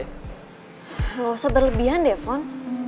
nggak usah berlebihan deh fon